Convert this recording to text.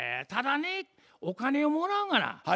ただねお金をもらうがな。